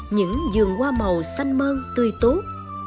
những vườn hoa màu xanh mơn tươi tốt